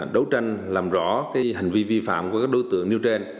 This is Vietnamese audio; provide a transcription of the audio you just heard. đấu tranh làm rõ hành vi vi phạm của các đối tượng nêu trên